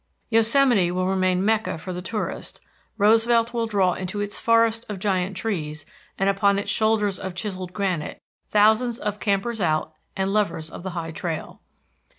Yosemite will remain Mecca for the tourist; Roosevelt will draw into its forest of giant trees, and upon its shoulders of chiselled granite, thousands of campers out and lovers of the high trail.